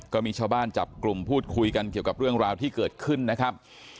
ก็มีชาวบ้านจับกลุ่มพูดคุยกันเกี่ยวกับเรื่องราวที่เกิดขึ้นนะครับ